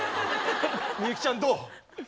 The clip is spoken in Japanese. みゆきちゃんどう？